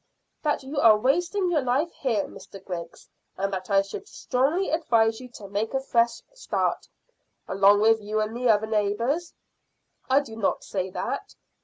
"That you are wasting your life here, Mr Griggs, and that I should strongly advise you to make a fresh start." "Along with you and the other neighbours?" "I do not say that."